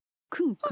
くん。